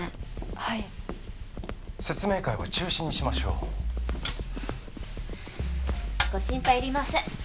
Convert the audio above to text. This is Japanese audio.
はい説明会は中止にしましょうご心配いりません